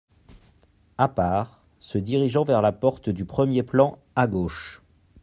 À part, se dirigeant vers la porte du premier plan à gauche.